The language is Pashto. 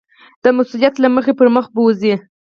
د مسؤلیت له مخې پر مخ بوځي.